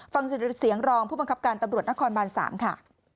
ฟังเสียงรองผู้บังคับการตำรวจนครบาน๓ค่ะ